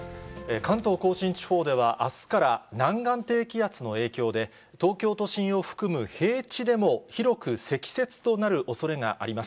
関東甲信地方では、あすから南岸低気圧の影響で、東京都心を含む平地でも広く積雪となるおそれがあります。